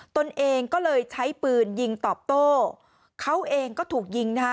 ตนเองก็เลยใช้ปืนยิงตอบโต้เขาเองก็ถูกยิงนะคะ